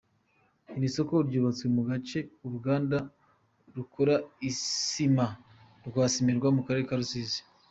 Iri soko ryubatswe mu gace uruganda rukora isima rwa Cimerwa mu Karere ka Rusizi.